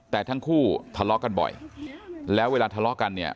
แต่ทั้งคู่ทะเลาะกันบ่อยแล้วเวลาทะเลาะกันเนี่ย